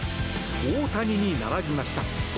大谷に並びました。